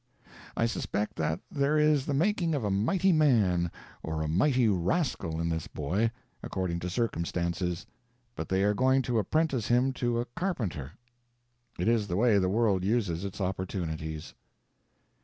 I suspect that there is the making of a mighty man or a mighty rascal in this boy according to circumstances but they are going to apprentice him to a carpenter. It is the way the world uses its opportunities.